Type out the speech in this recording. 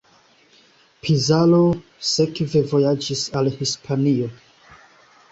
Pizarro sekve vojaĝis al Hispanio.